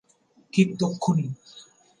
ঠিক তক্ষুণি।